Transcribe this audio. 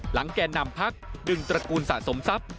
แก่นำพักดึงตระกูลสะสมทรัพย์